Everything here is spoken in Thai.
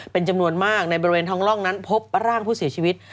เป็นจำนวนมากในบริเวณท้องร่องนั้นพบร่างผู้เสียชีวิต